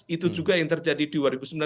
itu juga yang terjadi di dua ribu sembilan belas